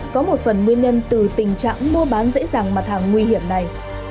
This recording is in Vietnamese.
có một phần nguyên nhân từ tình trạng mua bán dễ dàng mặt hàng nguy hiểm này